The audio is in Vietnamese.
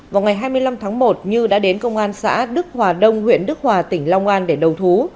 vào ngày hai mươi năm tháng một như đã đến công an xã đức hòa đông huyện đức hòa tỉnh long an để đầu thú